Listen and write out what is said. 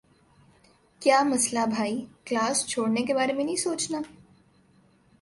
کیا مسلہ بھائی؟ کلاس چھوڑنے کے بارے میں نہیں سوچنا۔